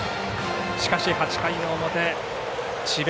しかし８回の表智弁